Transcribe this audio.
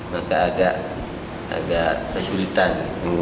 maka agak kesulitan